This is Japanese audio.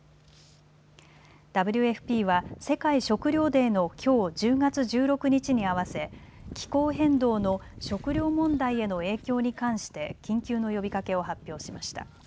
ＷＦＰは世界食料デーのきょう１０月１６日に合わせ気候変動の食料問題への影響に関して緊急の呼びかけを発表しました。